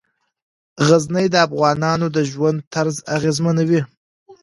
غزني د افغانانو د ژوند طرز اغېزمنوي.